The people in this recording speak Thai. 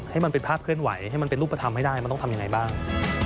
ให้มันเป็นภาพเคลื่อนไหวให้มันเป็นรูปธรรมให้ได้มันต้องทำยังไงบ้าง